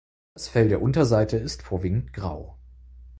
Das Fell der Unterseite ist vorwiegend grau.